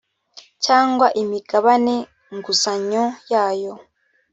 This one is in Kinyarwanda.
cyangwa imigabane nguzanyo yayo